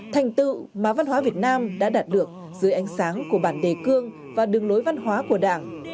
thành tựu mà văn hóa việt nam đã đạt được dưới ánh sáng của bản đề cương và đường lối văn hóa của đảng